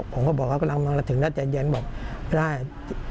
ผมก็บอกว่ากำลังมาถึงแล้วใจเย็นบอกไม่ได้